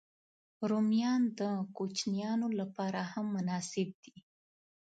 رومیان د کوچنيانو لپاره هم مناسب دي